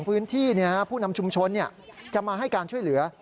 พื้นที่ผู้นำชุมชนจะมาให้การช่วยเหลือ